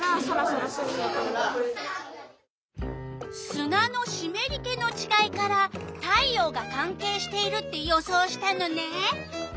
すなのしめり気のちがいから太陽がかんけいしているって予想したのね！